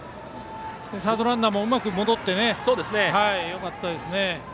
サードランナーもうまく戻ってよかったですね。